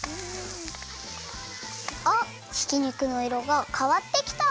あっひき肉のいろがかわってきた！